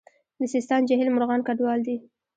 د سیستان جهیل مرغان کډوال دي